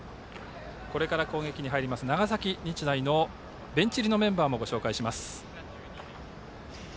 これから攻撃に入ります長崎日大のベンチ入りメンバーをご紹介します。